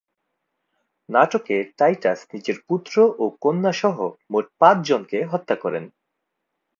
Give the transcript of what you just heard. নাটকে টাইটাস নিজের পুত্র ও কন্যা সহ মোট পাঁচ জনকে হত্যা করেন।